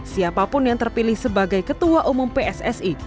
siapapun yang terpilih sebagai ketua umum pssi